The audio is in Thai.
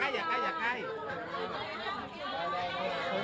อยากเห็น